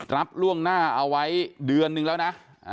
ล่วงหน้าเอาไว้เดือนนึงแล้วนะ